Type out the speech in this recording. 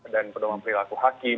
dan pendorongan perilaku hakim